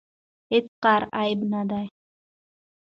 هیڅ کار عیب نه دی.